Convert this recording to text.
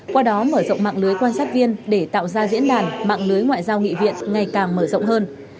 qua đó mở rộng mạng lưới quan sát viên để tạo ra diễn đàn mạng lưới ngoại giao nghị viện ngày càng mở rộng hơn